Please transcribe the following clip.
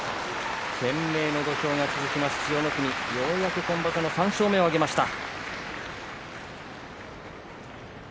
懸命な土俵が続きます、千代の国ようやく３勝目を挙げました。